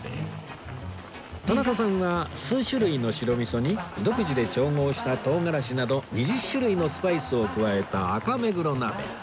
田中さんは数種類の白味噌に独自で調合した唐辛子など２０種類のスパイスを加えた赤目黒鍋